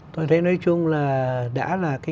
tôi thấy nói chung là đã là cái